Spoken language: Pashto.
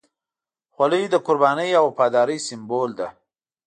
خولۍ د قربانۍ او وفادارۍ سمبول ده.